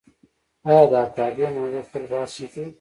آیا د حقابې موضوع تل بحث نه کیږي؟